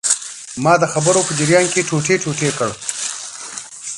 ما د خبرو په جریان کې ټوټې ټوټې کړ.